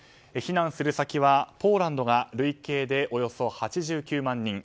避難する先はポーランドが累計でおよそ８９万人。